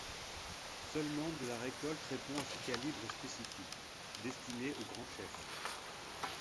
Seulement de la récolte répond à ce calibre spécifique, destiné aux grands chefs.